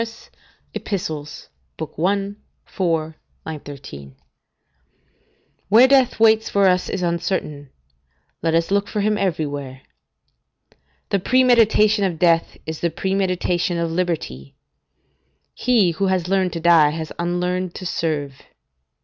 Ep., i. 4, 13.] Where death waits for us is uncertain; let us look for him everywhere. The premeditation of death is the premeditation of liberty; he who has learned to die has unlearned to serve.